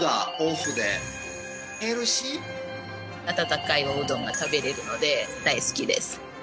温かいおうどんが食べれるので大好きです。